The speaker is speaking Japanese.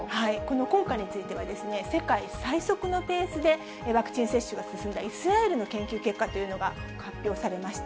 効果については、世界最速のペースでワクチン接種が進んだイスラエルの研究結果というのが発表されました。